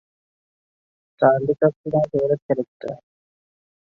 এটি Charlie Chaplin নির্মিত কয়েকটি অন্যতম সেরা হাস্যরসাত্মক চলচ্চিত্রের জন্য বিখ্যাত।